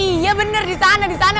iya benar di sana di sana